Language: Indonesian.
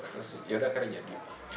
terus yaudah akhirnya jadi